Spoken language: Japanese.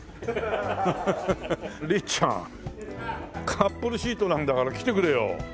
カップルシートなんだから来てくれよ。